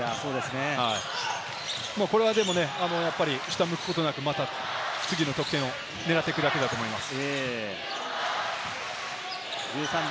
これはでもね、下向くことなく、次の得点を狙っていくだけだと思います。